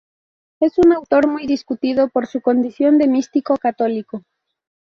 Es un autor muy discutido por su condición de místico católico.